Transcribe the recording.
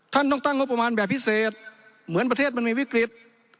ท่านต้องตั้งงบประมาณแบบพิเศษเหมือนประเทศมันมีวิกฤต